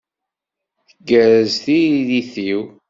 Tgerrez tiririt-iw?